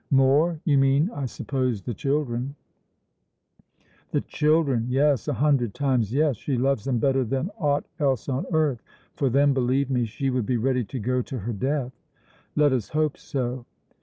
"More? You mean, I suppose, the children?" "The children! Yes, a hundred times yes. She loves them better than aught else on earth. For them, believe me, she would be ready to go to her death." "Let us hope so."